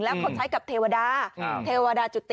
แล้วเขาใช้กับเทวดาเทวดาจุติ